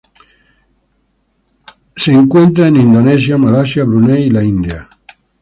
Es encuentra en Indonesia, Malasia, Brunei y la India.